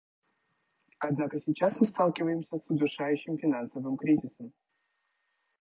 Однако сейчас мы сталкиваемся с удушающим финансовым кризисом.